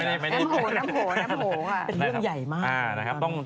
น้ำโหวน้ำโหวน้ำโหวเป็นเรื่องใหญ่มาก